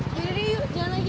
jadi yuk jangan lagi